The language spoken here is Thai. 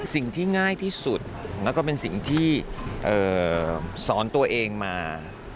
สิ่งที่ง่ายที่สุดแล้วก็เป็นสิ่งที่สอนตัวเองมา